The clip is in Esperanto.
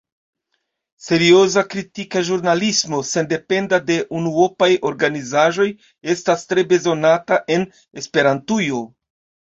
Serioza kritika ĵurnalismo, sendependa de unuopaj organizaĵoj, estas tre bezonata en Esperantujo.